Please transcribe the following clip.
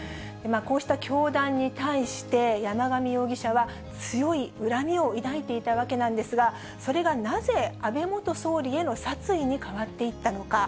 こうした教団に対して、山上容疑者は強い恨みを抱いていたわけなんですが、それがなぜ安倍元総理への殺意に変わっていったのか。